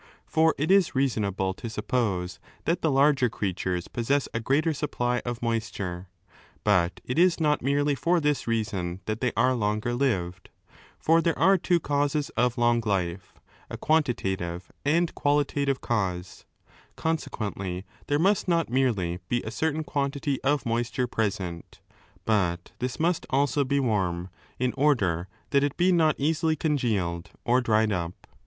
For it is reasonable to suppose that the larger creatures possess a greater supply of moisture. But it is not merely for this reason that they are longer lived, for there are two causes of long life, a quantitative and qualitative cause Consequently, there must not merely be a certain quantity of moisture present, but this must also be warm, in order 264 OHAP. V. CAUSES OF LONG LIFE 265 that it be not easily congealed or dried up.